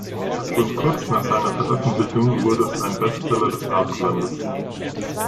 Schon kurz nach seiner Veröffentlichung wurde es ein „Bestseller“ des Abendlandes.